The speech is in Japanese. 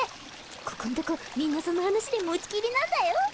ここんとこみんなその話で持ち切りなんだよ。